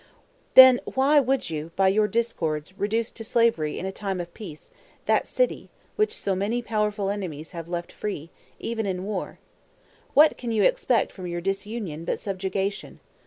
"Then why would you, by your discords, reduce to slavery in a time of peace, that city, which so many powerful enemies have left free, even in war? What can you expect from your disunion but subjugation?